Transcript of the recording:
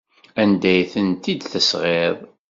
Anda ay tent-id-tesɣiḍ?